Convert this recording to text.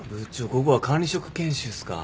午後は管理職研修っすか。